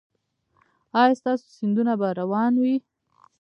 ایا ستاسو سیندونه به روان وي؟